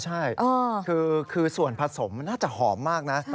ใช่คือส่วนผสมน่าจะหอมมากนะ